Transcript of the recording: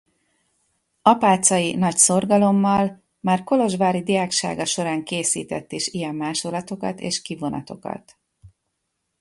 Apáczai nagy szorgalommal már kolozsvári diáksága során készített is ilyen másolatokat és kivonatokat.